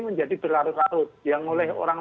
menjadi berlarut larut yang oleh orang